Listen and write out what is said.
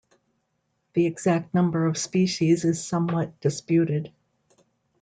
The exact number of species is somewhat disputed.